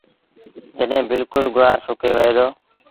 جڏهيݩ بلڪُل گُوآر سُڪي وهي دو۔